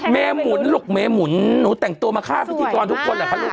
หมุนลูกเมหมุนหนูแต่งตัวมาฆ่าพิธีกรทุกคนเหรอคะลูก